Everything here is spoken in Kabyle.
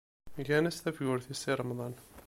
Gan-as tafgurt i Si Remḍan.